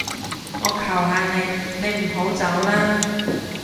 我求下你，你唔好走啦